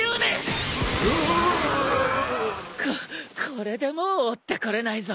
ここれでもう追ってこれないぞ！